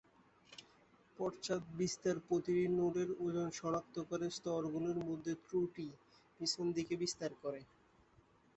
পশ্চাত-বিস্তার প্রতিটি নোডের ওজন সংশোধন করে স্তরগুলির মধ্যে ত্রুটি পেছন দিকে বিস্তার করে।